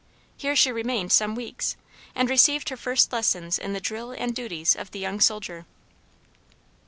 Here she remained some weeks, and received her first lessons in the drill and duties of the young soldier.